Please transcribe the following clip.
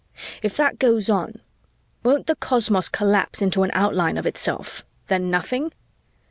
"If that goes on, won't the cosmos collapse into an outline of itself, then nothing?